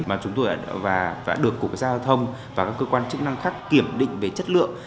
và chúng tôi đã được cục cảnh sát giao thông và các cơ quan chức năng khác kiểm định về chất lượng